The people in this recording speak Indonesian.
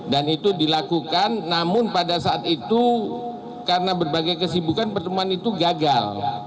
dan itu dilakukan namun pada saat itu karena berbagai kesibukan pertemuan itu gagal